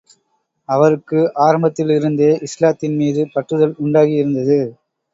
அவருக்கு ஆரம்பத்திலிருந்தே இஸ்லாத்தின் மீது பற்றுதல் உண்டாகி இருந்தது.